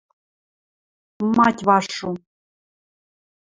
– Мать вашу!